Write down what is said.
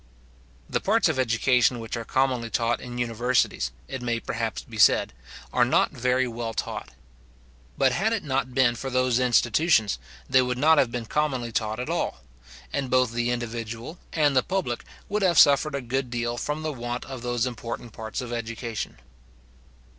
The parts of education which are commonly taught in universities, it may perhaps be said, are not very well taught. But had it not been for those institutions, they would not have been commonly taught at all; and both the individual and the public would have suffered a good deal from the want of those important parts of education.